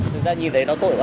thực ra nhìn thấy nó tội quá